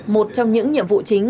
một trong những nhiệm vụ chính